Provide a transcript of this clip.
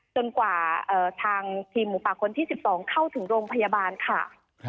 กว่าทางทีมหมูป่าคนที่๑๒เข้าถึงโรงพยาบาลค่ะ